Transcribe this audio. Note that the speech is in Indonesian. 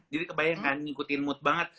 jadi kebayangkan ngikutin mood banget